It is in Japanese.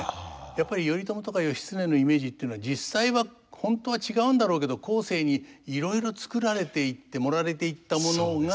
やっぱり頼朝とか義経のイメージっていうのは実際は本当は違うんだろうけど後世にいろいろ作られていって盛られていったものが。